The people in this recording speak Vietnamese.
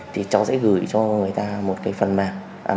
thì cháu sẽ gửi cho người ta một cái phần mềm